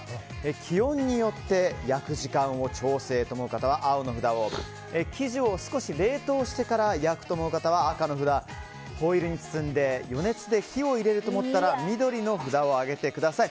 気温によって焼く時間を調整と思う方は青の札を生地を少し冷凍してから焼くと思う方は赤の札ホイルに包んで余熱で火を入れるだと思ったら緑の札を上げてください。